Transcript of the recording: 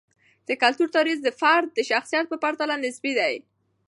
د کلتور تاثیر د فرد د شخصیت په پرتله نسبي دی.